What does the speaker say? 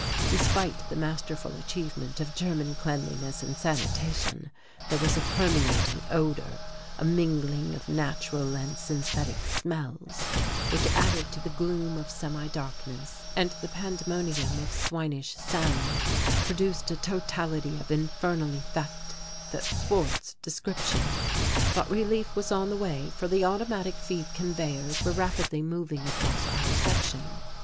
Despite the masterful achievement of German cleanliness and sanitation there was a permeating odour, a mingling of natural and synthetic smells, which added to the gloom of semi darkness and the pandemonium of swinish sound produced a totality of infernal effect that thwarts description. But relief was on the way for the automatic feed conveyors were rapidly moving across our section.